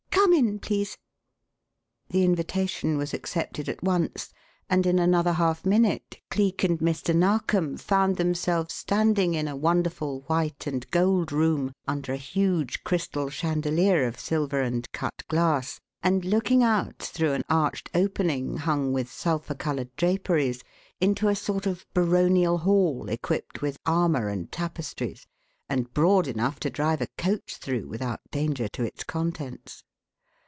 Come in, please." The invitation was accepted at once, and in another half minute Cleek and Mr. Narkom found themselves standing in a wonderful white and gold room, under a huge crystal chandelier of silver and cut glass, and looking out through an arched opening, hung with sulphur coloured draperies, into a sort of baronial hall equipped with armour and tapestries, and broad enough to drive a coach through without danger to its contents.